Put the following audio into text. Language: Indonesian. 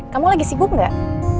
kamu lagi sibuk gak